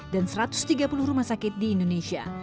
dan satu ratus tiga puluh rumah sakit di indonesia